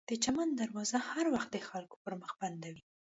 د چمن دروازه هر وخت د خلکو پر مخ بنده وي.